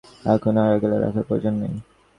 এখন আর আগলে রাখার প্রয়োজন নেই।